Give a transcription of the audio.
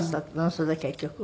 それで結局は。